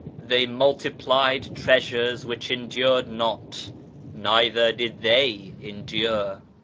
Tliexj multijilied treasures which endured not, neither did they endure."